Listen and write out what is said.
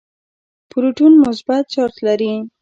پروټون مثبت چارج لري.